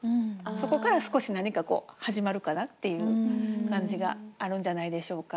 そこから少し何かこう始まるかなっていう感じがあるんじゃないでしょうか。